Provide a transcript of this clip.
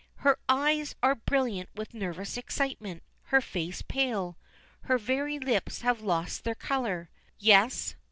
Her eyes are brilliant with nervous excitement; her face pale. Her very lips have lost their color. "Yes?"